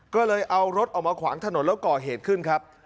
ก็เลยเอารถออกมาขวางถนนแล้วก่อเหตุขึ้นครับ